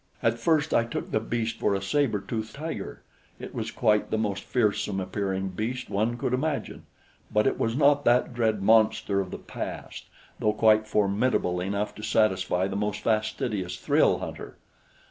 At first I took the beast for a saber tooth tiger, as it was quite the most fearsome appearing beast one could imagine; but it was not that dread monster of the past, though quite formidable enough to satisfy the most fastidious thrill hunter.